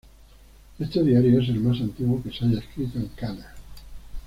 Este diario es el más antiguo que se haya escrito en kana.